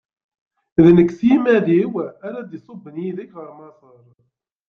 D nekk, s timmad-iw, ara iṣubben yid-k ɣer Maṣer.